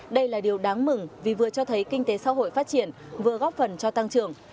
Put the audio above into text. đây là điều đáng mừng vì vừa cho thấy kinh tế xã hội phát triển vừa góp phần cho tăng trưởng